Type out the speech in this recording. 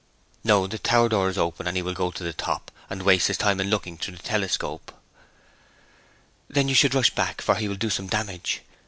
'No; the tower door is open, and he will go to the top, and waste his time in looking through the telescope.' 'Then you should rush back, for he will do some damage.'